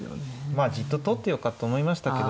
まあじっと取ってようかと思いましたけどね。